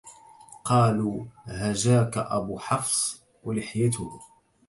قالوا هجاك أبو حفص ولحيته